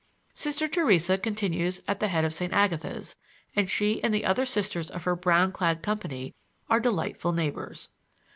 Sister Theresa continues at the head of St. Agatha's, and she and the other Sisters of her brown clad company are delightful neighbors.